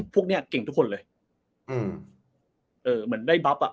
พวกเนี้ยเก่งทุกคนเลยอืมเอ่อเหมือนได้บับอ่ะ